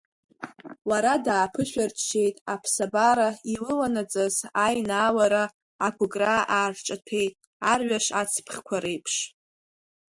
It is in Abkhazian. Лара дааԥышәырччеит, аԥсабара илыланаҵаз аинаалара, агәыкра аарҿаҭәеит, арҩаш ацыԥхьқәа реиԥш.